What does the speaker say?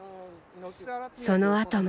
そのあとも。